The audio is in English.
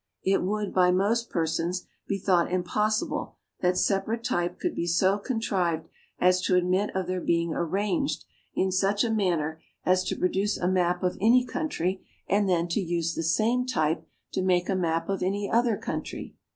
It would, by most persons, be thought impossible that separate type could be so contrived as to admit of their being arranged in such a manner as to produce a map of any country and then to use the same type to make a map of any other country.